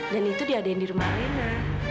dan itu diadain di rumah alena